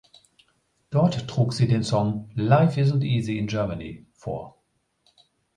Dort trugen Sie den Song "Life Isn’t Easy in Germany" vor.